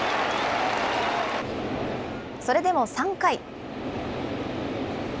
それでも３回。